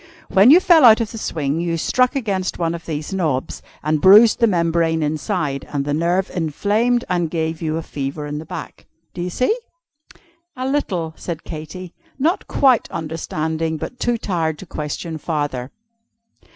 When you fell out of the swing, you struck against one of these knobs, and bruised the membrane inside, and the nerve inflamed, and gave you a fever in the back. Do you see?" "A little," said Katy, not quite understanding, but too tired to question farther.